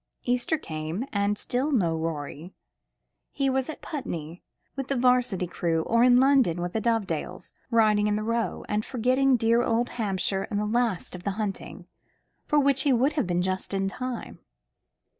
Easter came, and still no Rorie. He was at Putney, with the 'Varsity crew, or in London with the Dovedales, riding in the Row, and forgetting dear old Hampshire and the last of the hunting, for which he would have been just in time.